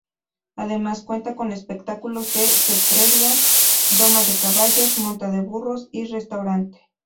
Además, cuenta con espectáculos de cetrería, doma de caballos, monta de burros y restaurante.